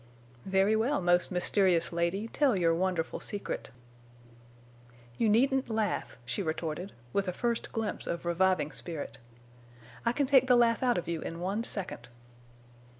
"Very well, most mysterious lady, tell your wonderful secret." "You needn't laugh," she retorted, with a first glimpse of reviving spirit. "I can take the laugh out of you in one second."